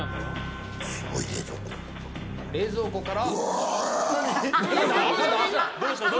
冷蔵庫から。